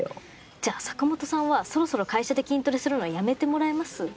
じゃあ坂本さんはそろそろ会社で筋トレするのやめてもらえます？